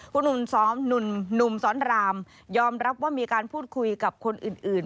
คุณหนุ่มสร้อมหนุ่มสร้อนรามยอมรับว่ามีการพูดคุยกับคนอื่น